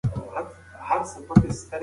که وخت تېر شي، بیا بیرته نه راګرځي.